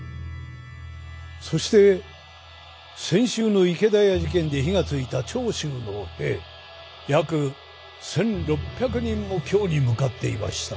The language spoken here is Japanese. そして先週の池田屋事件で火がついた長州の兵約１，６００人も京に向かっていました。